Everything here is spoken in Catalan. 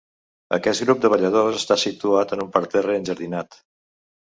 Aquest grup de balladors està situat en un parterre enjardinat.